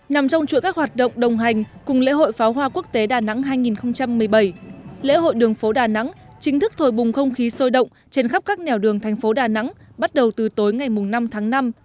nằm trong chuỗi các hoạt động đồng hành cùng lễ hội pháo hoa quốc tế đà nẵng hai nghìn một mươi bảy lễ hội đường phố đà nẵng chính thức thổi bùng không khí sôi động trên khắp các nẻo đường thành phố đà nẵng bắt đầu từ tối ngày năm tháng năm